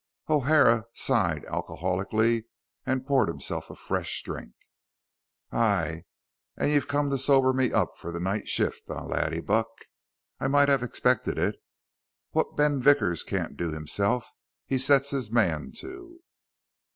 O'Hara sighed alcoholically and poured himself a fresh drink. "And ye've come to sober me up for the night shift, eh, laddy buck? I might've expected it. What Ben Vickers can't do himself, he sets his man to."